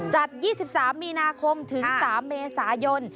จัด๒๓มีนาคมถึง๓เมษายน